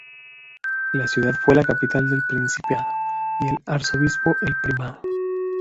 La ciudad fue la capital del principado y el arzobispo el primado.